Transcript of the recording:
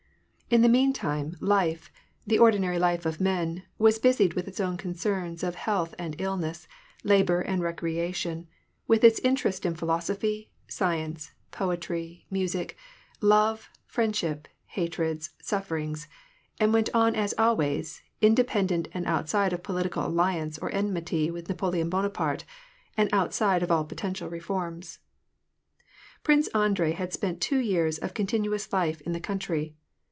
In the mean time, life — the ordinary life of men — was busied with its own concerns of health and illness, labor and rec reation, with its interest in philosophy, science, poetry, music, love, friendship, hatreds, sufferings, and went on as always, independent and outside of political alliance or enmity with Napoleon Bonaparte, and outside of all potential reforms. Prince Andrei had spent two years of continuous life in the country.